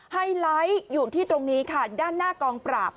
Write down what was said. ไฮไลท์อยู่ที่ตรงนี้ค่ะด้านหน้ากองปราบ